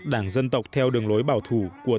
đảng dân tộc theo đường lối bảo vệ